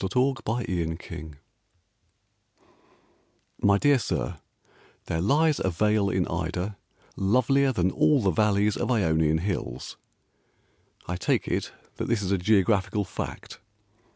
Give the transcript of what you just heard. TO A BOOKSELLER My dear Sir, "There lies a vale in Ida Lovelier Than all the valleys Of Ionian hills." I take it That this is a geographical fact.